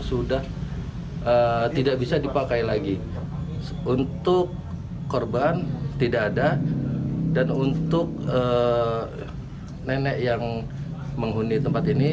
sudah tidak bisa dipakai lagi untuk korban tidak ada dan untuk nenek yang menghuni tempat ini